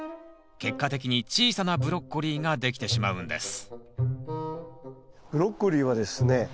結果的に小さなブロッコリーができてしまうんですブロッコリーはですね